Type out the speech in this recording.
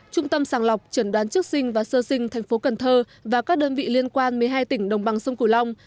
trung tâm sàng lọc trần đoán trước sinh và sơ sinh tp cn và các đơn vị liên quan một mươi hai tỉnh đồng bằng sông cửu long